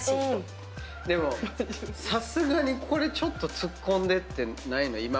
でもさすがにこれちょっとツッコんでってないの？